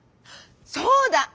そうだ！